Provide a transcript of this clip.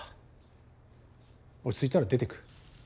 落ち着いたら出てく。